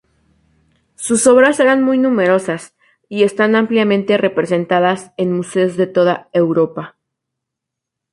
Sus obras eran muy numerosas, y están ampliamente representadas en museos de toda Europa.